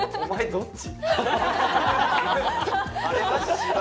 どっち？